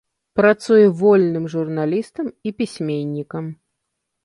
Працуе вольным журналістам і пісьменнікам.